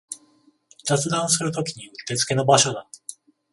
雑談するときにうってつけの場所だ